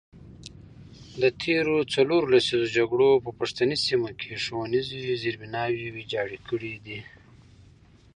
د تیرو څلورو لسیزو جګړو په پښتني سیمو کې ښوونیز زیربناوې ویجاړې کړي دي.